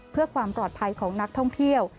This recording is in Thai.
เพื่อความปลอดภัยของนักท่องเที่ยว